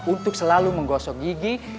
untuk selalu menggosok gigi